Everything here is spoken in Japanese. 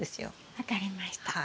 分かりました。